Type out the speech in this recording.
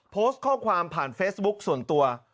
โพสต์ข้อความผ่านเฟซบุ๊คส่วนตัว